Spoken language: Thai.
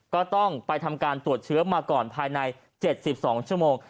ก็ต้องไปทำการตรวจเชื้อมาก่อนภายใน๗๒ชั่วโมง